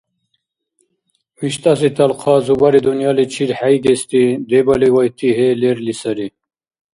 ВиштӀаси талхъа зубари-дунъяличир хӀейгести, дебали вайти гье лерли сари